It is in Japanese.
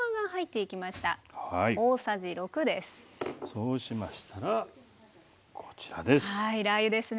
そうしましたらこちらです。